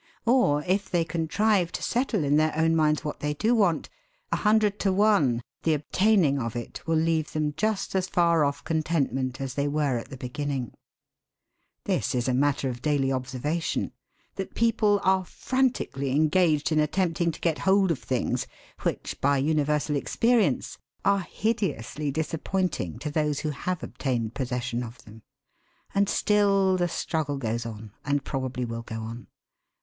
Or, if they contrive to settle in their own minds what they do want, a hundred to one the obtaining of it will leave them just as far off contentment as they were at the beginning! This is a matter of daily observation: that people are frantically engaged in attempting to get hold of things which, by universal experience, are hideously disappointing to those who have obtained possession of them. And still the struggle goes on, and probably will go on.